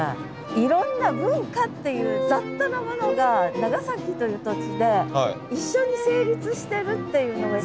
いろんな文化っていう雑多なものが長崎という土地で一緒に成立してるっていうのがすごいなと。